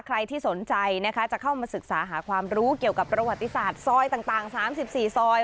ใครที่สนใจนะคะจะเข้ามาศึกษาหาความรู้เกี่ยวกับประวัติศาสตร์ซอยต่าง๓๔ซอย